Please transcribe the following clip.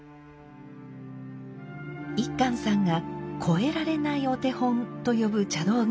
一閑さんが「超えられないお手本」と呼ぶ茶道具があります。